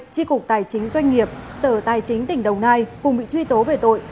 tri cục tài chính doanh nghiệp sở tài chính tỉnh đồng nai cùng bị truy tố về tội